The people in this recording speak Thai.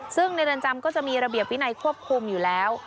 ซึ่งในเรือนจำก็จะมีระเบียบวินัยควบคุมอยู่แล้ว